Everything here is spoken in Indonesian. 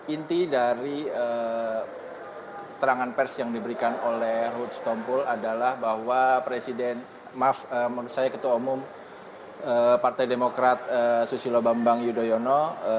inti dari terangan pers yang diberikan oleh ruhut stompul adalah bahwa presiden maaf menurut saya ketua umum partai demokrat susilo bambang yudhoyono